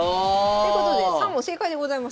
ということで３問正解でございます。